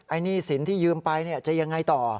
หนี้สินที่ยืมไปจะยังไงต่อ